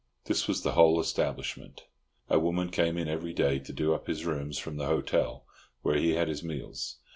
This was the whole establishment. A woman came in every day to do up his rooms from the hotel, where he had his meals.